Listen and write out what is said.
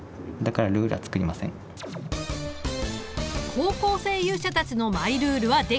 高校生勇者たちのマイルールは出来た。